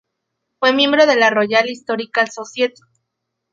Fue miembro de la Royal Historical Society.